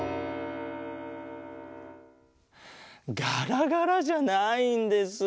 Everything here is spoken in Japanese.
ガラガラじゃないんです。